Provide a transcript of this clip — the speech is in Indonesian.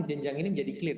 jenjang ini menjadi clear